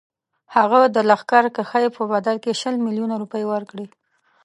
هغه د لښکرکښۍ په بدل کې شل میلیونه روپۍ ورکړي.